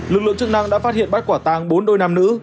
lực lượng chức năng đã phát hiện bắt quả tàng bốn đôi nam nữ